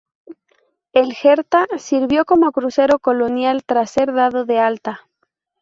El "Hertha" sirvió como crucero colonial tras ser dado de alta.